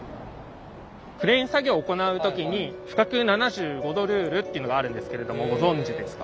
クレーン作業を行う時に「俯角７５度ルール」っていうのがあるんですけれどもご存じですか？